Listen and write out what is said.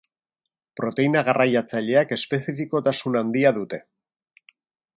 Proteina garraiatzaileak espezifikotasun handia dute.